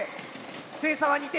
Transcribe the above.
点差は２点。